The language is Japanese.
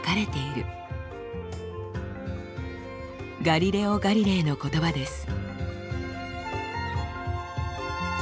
ガリレオ・ガリレイの言葉です。